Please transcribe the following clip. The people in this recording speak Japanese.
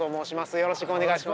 よろしくお願いします。